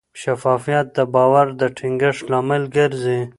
شفافیت د باور د ټینګښت لامل ګرځي.